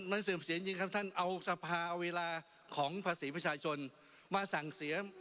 มันเสื่อมเสียจริงครับท่านเอาสภาเอาเวลาของภาษีประชาชนมาสั่งเสีย